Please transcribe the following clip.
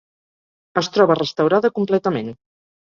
Es troba restaurada completament.